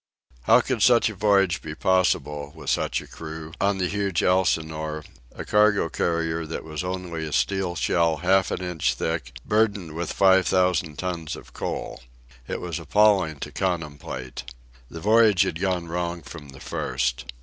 How could such a voyage be possible, with such a crew, on the huge Elsinore, a cargo carrier that was only a steel shell half an inch thick burdened with five thousand tons of coal? It was appalling to contemplate. The voyage had gone wrong from the first.